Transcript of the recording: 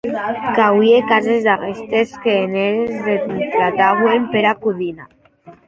Qu’auie cases d’aguestes qu’en eres s’entraue pera codina.